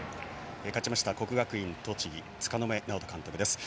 勝ちました、国学院栃木柄目直人監督です。